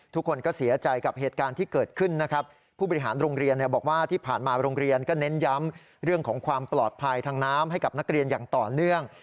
ทุกคนก็เสียใจกับเหตุการณ์ที่เกิดขึ้นนะครับผู้บริหารโรงเรียนบอกว่าที่ผ่านมาโรงเรียนก็เน้นย้ำเรื่องของความปลอดภัยทางน้ำให้กับนักเรียนอย่างต่อเนื่อง